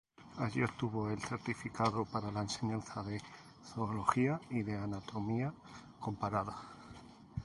Allí obtuvo el certificado para la enseñanza de zoología y de anatomía comparada.